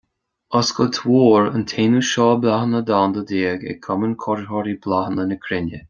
Oscailt Mór an t-aonú Seó Bláthanna Domhanda déag ag Cumann Cóiritheoirí Bláthanna na Cruinne.